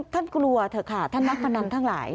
กลัวเถอะค่ะท่านนักพนันทั้งหลาย